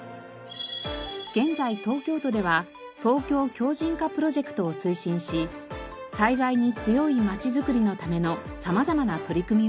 現在東京都ではＴＯＫＹＯ強靭化プロジェクトを推進し災害に強いまちづくりのための様々な取り組みを行っています。